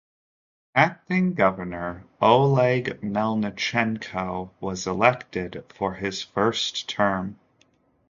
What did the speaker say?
Acting Governor Oleg Melnichenko was elected for his first term.